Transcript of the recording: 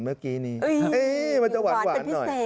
มันจะหวานหวาน